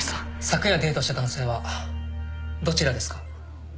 昨夜デートした男性はどちらですか？